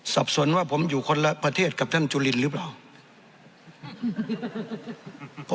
สับสนว่าผมอยู่คนละประเทศกับท่านจุลินหรือเปล่า